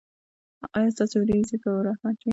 ایا ستاسو ورېځې به رحمت وي؟